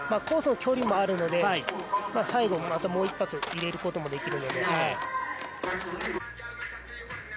コースも距離もあるので最後、また、もう一発入れることもできるので。